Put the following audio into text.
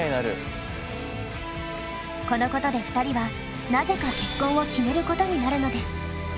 このことで２人はなぜか結婚を決めることになるのです。